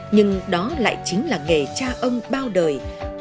nhưng đó lại chính là nghề cha ông bao đời